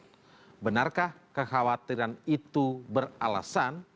jadi benarkah kekhawatiran itu beralasan